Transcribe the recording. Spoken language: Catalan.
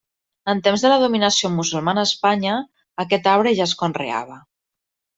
En temps de la dominació musulmana a Espanya, aquest arbre ja es conreava.